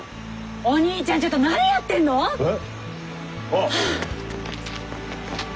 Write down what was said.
お兄ちゃんちょっと何やってんの！？え？ああ。